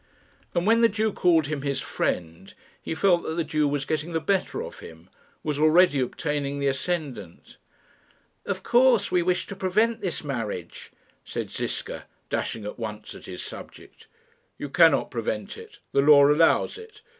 And when the Jew called him his friend, he felt that the Jew was getting the better of him was already obtaining the ascendant. "Of course we wish to prevent this marriage," said Ziska, dashing at once at his subject. "You cannot prevent it. The law allows it.